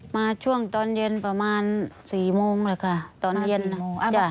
มาช่วงตอนเย็นประมาณสี่โมงแหละค่ะตอนเย็นตอนสี่โมงอ้าว